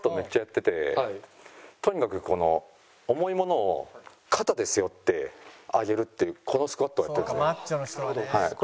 とにかくこの重い物を肩で背負って上げるっていうこのスクワットをやってるんですね。